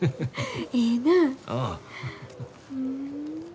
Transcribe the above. ええなぁ。